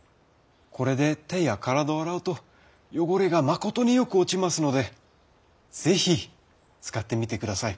これで手や体を洗うと汚れがまことによく落ちますのでぜひ使ってみて下さい。